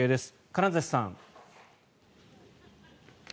金指さん。